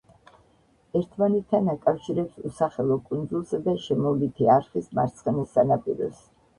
ერთმანეთთან აკავშირებს უსახელო კუნძულსა და შემოვლითი არხის მარცხენა სანაპიროს.